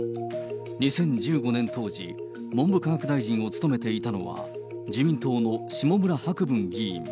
２０１５年当時、文部科学大臣を務めていたのは、自民党の下村博文議員。